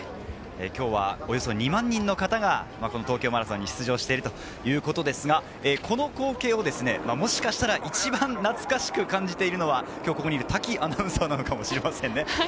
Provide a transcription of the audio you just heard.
今日はおよそ２万人の方が東京マラソンに出場しているということですが、この光景をもしかしたら一番懐かしく感じているのは、ここにいる滝アナウンサーなのかもしれません。